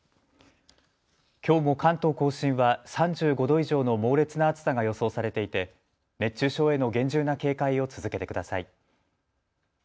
きょうも関東甲信は３５度以上の猛烈な暑さが予想されていて熱中症への厳重な警戒を続けてください。